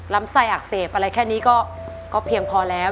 ไส้อักเสบอะไรแค่นี้ก็เพียงพอแล้ว